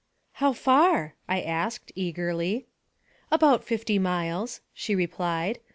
" How far ?" I asked, eagerly. "About fifty miles," she replied.